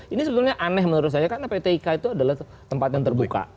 ini sebetulnya aneh menurut saya karena pt ika itu adalah tempat yang terbuka